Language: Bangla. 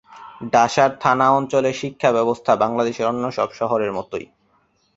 ডাসার থানা অঞ্চলের শিক্ষা ব্যবস্থা বাংলাদেশের অন্য সব শহরের মতই।